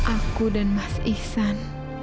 aku dan mas ihsan